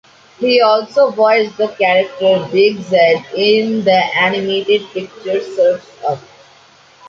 He also voiced the character Big Z in the animated picture "Surf's Up".